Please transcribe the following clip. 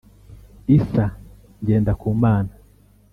Issa Ngendakumana